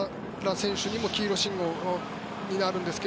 選手にも黄色信号になるんですが。